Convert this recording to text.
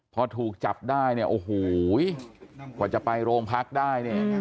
พอถูกจับได้เนี่ยโอ้โหกว่าจะไปโรงพักได้เนี่ย